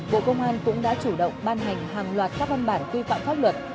bộ công an cũng đã chủ động ban hành hàng loạt các văn bản quy phạm pháp luật